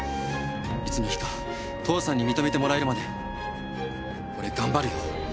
いつの日か父さんに認めてもらえるまで俺頑張るよ。